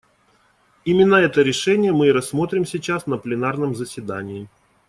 Именно это решение мы и рассмотрим сейчас на пленарном заседании.